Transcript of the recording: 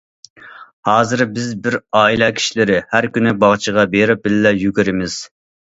ھازىر بىز بىر ئائىلە كىشىلىرى ھەر كۈنى باغچىغا بېرىپ بىللە يۈگۈرىمىز.